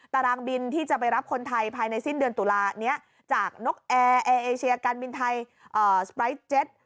ตารางบินที่จะไปรับคนไทยภายในสิ้นเดือนตุลานี้จากนกแอร์แอร์เอเชียการบินไทยสไปร์ทเจ็ต